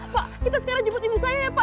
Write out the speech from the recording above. pak kita sekarang jemput ibu saya ya pak